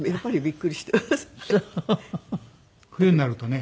冬になるとね